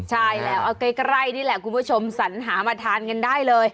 ใช่แล้วเอาใกล้นี่แหละคุณผู้ชมสัญหามาทานกันได้เลย